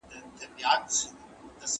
هغه د کاميابۍ راز وموند.